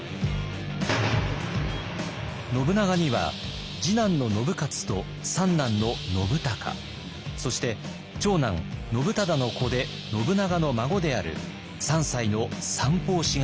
信長には次男の信雄と三男の信孝そして長男信忠の子で信長の孫である３歳の三法師がいました。